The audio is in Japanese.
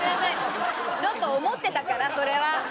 ちょっと思ってたからそれは。